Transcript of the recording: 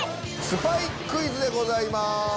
スパイクイズでございます。